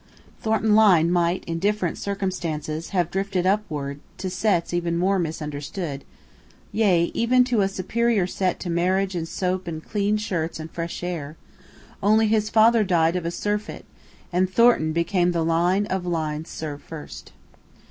Thornton Lyne might in different circumstances have drifted upward to sets even more misunderstood yea, even to a set superior to marriage and soap and clean shirts and fresh air only his father died of a surfeit, and Thornton became the Lyne of Lyne's Serve First.